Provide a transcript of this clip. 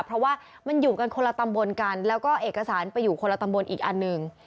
เพราะว่ามันอยู่กันคนละตำบลกันแล้วก็เอกสารไปอยู่คนละตำบลอีกอันหนึ่ง